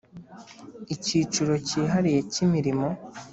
Icyiciro cyihariye cy imirimo